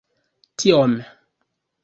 tiom